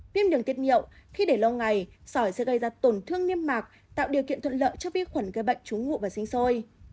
viêm đường tiết nhiệu khi để lâu ngày sỏi sẽ gây ra tổn thương nghiêm mạc tạo điều kiện thuận lợi cho vi khuẩn gây bệnh trúng ngụ và sinh sôi